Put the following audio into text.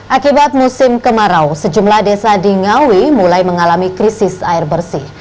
akibat musim kemarau sejumlah desa di ngawi mulai mengalami krisis air bersih